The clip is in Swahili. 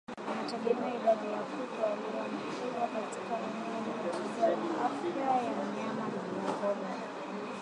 Inategemea idadi ya kupe walioambukizwa katika eneo hilo pamoja na afya ya mnyama Miongoni